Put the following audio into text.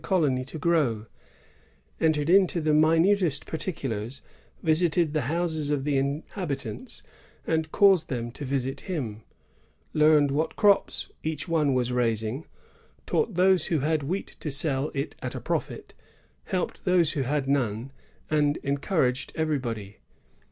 9 colony to grow; entered into the minutest particu lais; visited the houses of the inhabitants, and caused them to visit him; learned what crops each one was raising; taught those who had wheat to sell it at a profit, helped those who had none, and encouraged everybody."